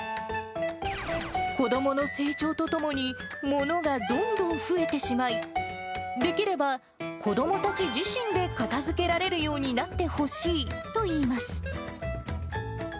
子どもの成長とともに、ものがどんどん増えてしまい、できれば子どもたち自身で片づけられるようになってほしいといいます。